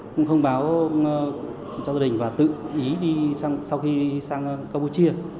cũng thông báo cho gia đình và tự ý đi sau khi sang campuchia